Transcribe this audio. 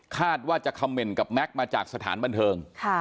คาดว่าจะคำเมนต์กับแม็กซ์มาจากสถานบันเทิง